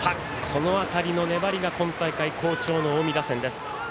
この辺りの粘りが今大会、好調の近江打線です。